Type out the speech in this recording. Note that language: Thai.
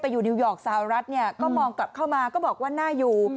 อยู่นิวยอร์กสหรัฐเนี่ยก็มองกลับเข้ามาก็บอกว่าน่าอยู่